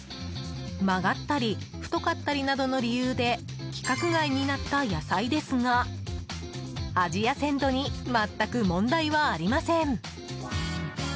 曲がったり太かったりなどの理由で規格外になった野菜ですが味や鮮度に全く問題はありません。